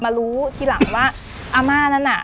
มารู้ทีหลังว่าอาม่านั้นน่ะ